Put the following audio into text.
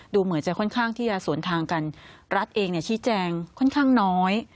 ดูเหมือนจะค่อนข้างที่จะสวนทางกันรัฐเองชี้แจงค่อนข้างน้อย